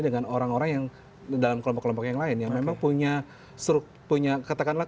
dengan orang orang yang dalam kelompok kelompok yang lain yang memang punya struk punya katakanlah